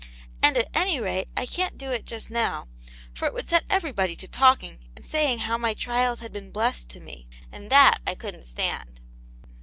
And at any rate I can't do it just now, for it would set everybody to talking and say ing how my trials had been blessed to me ; and t;hat I couldn't stand."